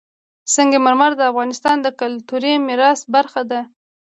سنگ مرمر د افغانستان د کلتوري میراث برخه ده.